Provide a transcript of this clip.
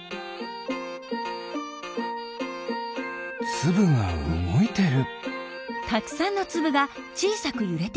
つぶがうごいてる！